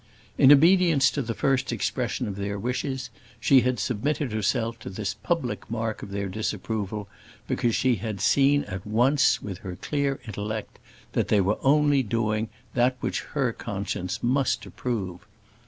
In obedience to the first expression of their wishes, she had submitted herself to this public mark of their disapproval because she had seen at once, with her clear intellect, that they were only doing that which her conscience must approve.